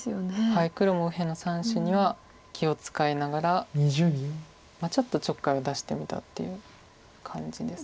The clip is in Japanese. はい黒も右辺の３子には気を使いながらちょっとちょっかいを出してみたっていう感じですか。